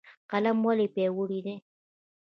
قلم ولې پیاوړی دی؟